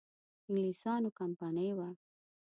انګلیسیانو کمپنی وه.